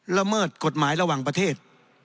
ละเมิดกฎหมายระหว่างประเทศ